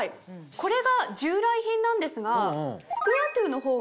これが従来品なんですが。